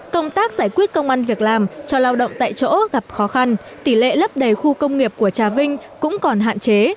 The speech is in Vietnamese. công tác giải quyết công an việc làm cho lao động tại chỗ gặp khó khăn tỷ lệ lấp đầy khu công nghiệp của trà vinh cũng còn hạn chế